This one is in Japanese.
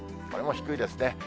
これも低いですね。